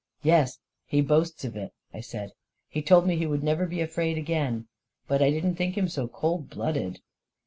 " Yes, he boasts of it !" I said. " He told me he would never be afraid again. But I didn't think him so cold blooded